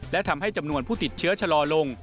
และทำให้จำนวนผู้ติดเชื้อชะลอลง